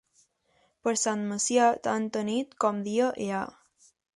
Per Sant Macià tanta nit com dia hi ha.